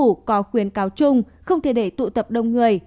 chủ tịch ubnd tp có khuyến cáo chung không thể để tụ tập đông người